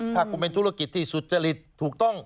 ถ้าคุณเป็นธุรกิจที่สุจริตถูกต้อง